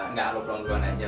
nggak lo pelan pelan aja